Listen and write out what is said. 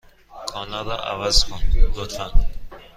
کانال را عوض کن، لطفا.